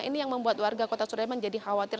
ini yang membuat warga kota surabaya menjadi khawatir